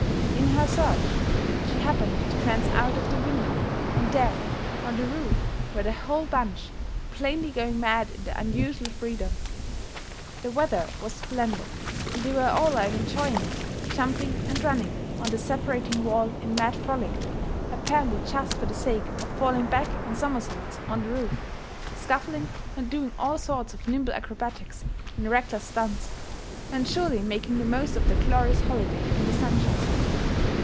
In her search, she happened to glance out of the window and there on the roof were the whole bunch, plainly going mad in their unusual freedom. The weather was splendid and they were all out enjoying it, jumping and running on the separating wall in mad frolic, apparently just for the sake of falling back in somersaults on the roof, scuffling and doing all sorts of nimble acrobatics in reckless stunts, and surely making the most of their glorious holiday in the sunshine.